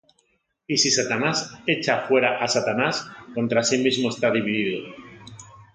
Y si Satanás echa fuera á Satanás, contra sí mismo está dividido;